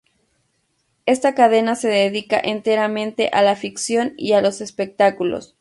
Esta cadena se dedica enteramente a la ficción y a los espectáculos.